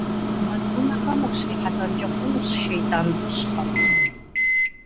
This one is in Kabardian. Мэз гъунэхэм ущрихьэлӀэнкӀэ хъунущ шейтӀанӀущхъэм.